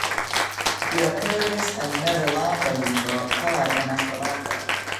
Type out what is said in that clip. Ĝi aperis en nederlanda lingvo kaj en Esperanto.